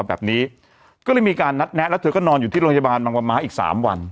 แบบนี้ก็เลยมีการนัดแนะแล้วเธอก็นอนอยู่ที่โรงพยาบาลบางประม้าอีกสามวัน